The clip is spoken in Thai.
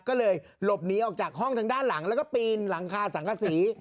ก็เลยหลบหนีออกจากห้องทางด้านหลังแล้วก็ปีนหลังคาสังกษี